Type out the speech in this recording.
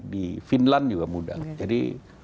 di finland juga mudah jadi